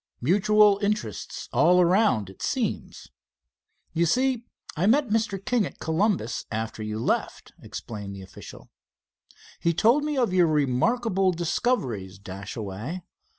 "Mutual interests all around, it seems. You see, I met Mr. King at Columbus after you left," explained the official. "He told me of your remarkable discoveries, Dashaway.